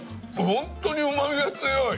本当にうまみが強い。